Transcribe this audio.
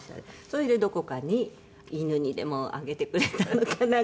それでどこかに犬にでもあげてくれたのかな。